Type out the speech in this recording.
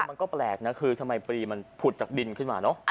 มันก็แปลกนะคือทำไมปลีมันผุดจากดินขึ้นมาเนอะ